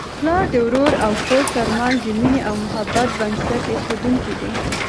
پلار د ورور او خور ترمنځ د مینې او محبت بنسټ ایښودونکی دی.